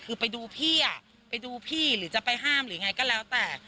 คือไปดูพี่อ่ะไปดูพี่หรือจะไปห้ามหรือไงก็แล้วแต่